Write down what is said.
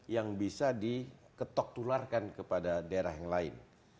yang bisa diketok tularkan kepada pemerintahan daerah